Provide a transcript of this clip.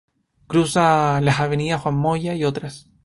Cruza las avenida Juan Moya y otras.